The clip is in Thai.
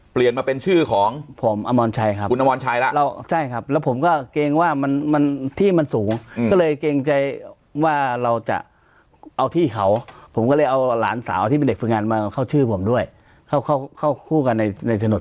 เปลี่ยนมาเป็นชื่อของผมอมรชัยครับคุณอมรชัยแล้วใช่ครับแล้วผมก็เกรงว่ามันมันที่มันสูงก็เลยเกรงใจว่าเราจะเอาที่เขาผมก็เลยเอาหลานสาวที่เป็นเด็กฝึกงานมาเข้าชื่อผมด้วยเข้าเข้าคู่กันในในถนน